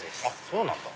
そうなんだ。